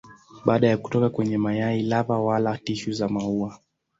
Baada ya kutoka kwenye mayai lava wala tishu za maua.